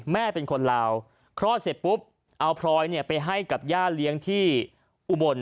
แม่เป็นคนลาวคลอดเสร็จปุ๊บเอาพลอยไปให้กับย่าเลี้ยงที่อุบล